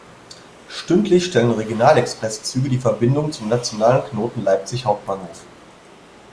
Stündlich stellen Regional-Express-Züge die Verbindung zum nationalen Knoten Leipzig Hbf.